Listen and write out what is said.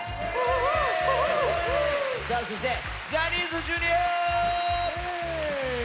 そしてジャニーズＪｒ．！